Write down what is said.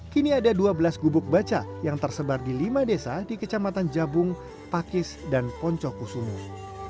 kini ada dua belas gubuk baca yang tersebar di lima desa di kecamatan jabung pakis dan poncokusunuh